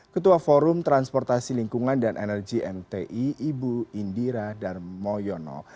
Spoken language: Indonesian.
ketua forum transportasi lingkungan dan energi mti ibu indira darmoyono